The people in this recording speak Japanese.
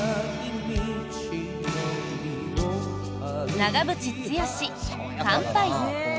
長渕剛、「乾杯」。